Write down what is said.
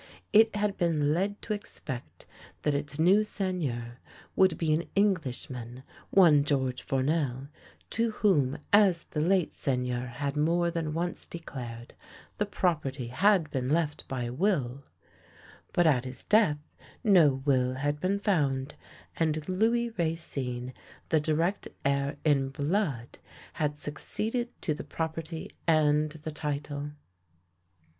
It had been led to expect that its new Seigneur would be an Englishman, one George Fournel, to whom, as the late Seigneur had more than once declared, the property had been left by will; but at his death no will had been found, and Louis Racine, the direct heir in blood, had succeeded to the property and the title.